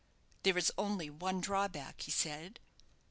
"There is only one drawback," he said.